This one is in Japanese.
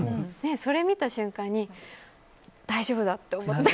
それを見た瞬間に大丈夫だと思って。